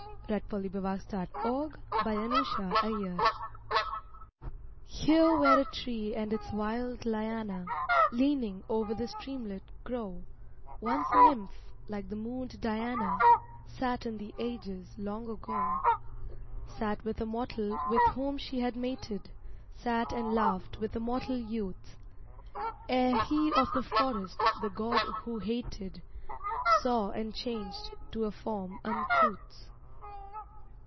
Who is it, who is it, who?" VINE AND SYCAMORE I Here where a tree and its wild liana, Leaning over the streamlet, grow, Once a nymph, like the moon'd Diana, Sat in the ages long ago. Sat with a mortal with whom she had mated, Sat and laughed with a mortal youth, Ere he of the forest, the god who hated, Saw and changed to a form uncouth....